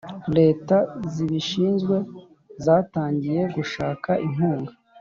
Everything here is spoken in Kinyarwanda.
Leta zibishinzwe zatangiye gushaka inkunga